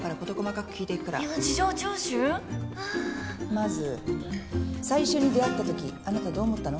まず最初に出会ったときあなたどう思ったの？